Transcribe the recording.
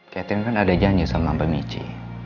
catherine kan ada janji sama mbak michi